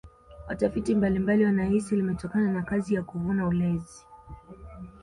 watafiti mbalimbali wanahisi limetokana na kazi ya kuvuna ulezi